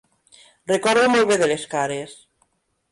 Recordo molt bé de les cares.